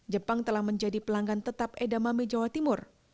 jepang telah menjadi pelanggan tetap edamame jawa timur